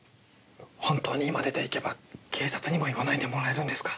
本当に今出て行けば警察にも言わないでもらえるんですか？